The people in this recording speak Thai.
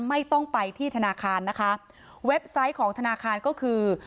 ไม่ต้องไปที่ธนาคารนะคะเว็บไซต์ของธนาคารก็คือ